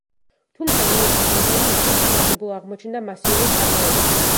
თუმცა ნოისის მოდელი უფრო სასარგებლო აღმოჩნდა მასიური წარმოებისთვის.